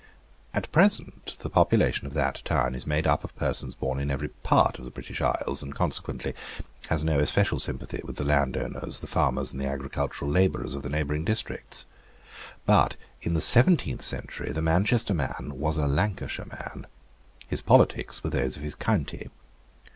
At present the population of that town is made up of persons born in every part of the British Isles, and consequently has no especial sympathy with the landowners, the farmers and the agricultural labourers of the neighbouring districts. But in the seventeenth century the Manchester man was a Lancashire man. His politics were those of his county.